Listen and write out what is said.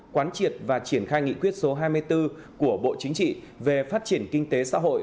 quán triệt và triển khai nghị quyết số hai mươi bốn của bộ chính trị về phát triển kinh tế xã hội